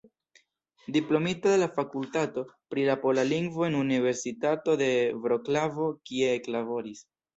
Diplomito de la fakultato pri la pola lingvo en Universitato de Vroclavo, kie eklaboris.